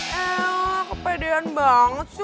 ya elah kepedean banget sih